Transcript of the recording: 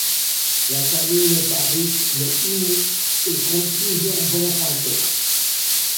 La famille n'est pas riche mais unie et compte plusieurs bons chanteurs.